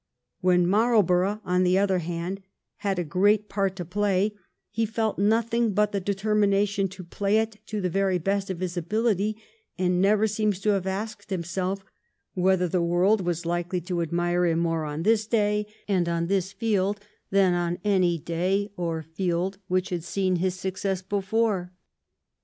When Marlborough, on the other hand, had a great part to play, he felt nothing but the determination to play it to the very best of his ability, and never seems to have asked himself whether the world was hkely to admire him more on this day and on this field than on anj^ day or field which had seen his success before.